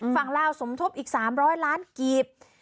ลาวสมทบอีก๓๐๐ล้านกีบ